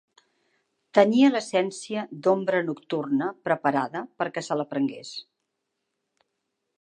Tenia l'essència d'ombra nocturna preparada perquè se la prengués.